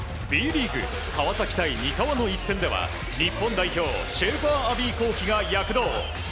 Ｂリーグ川崎対三河の一戦では日本代表シェーファーアヴィ幸樹が躍動。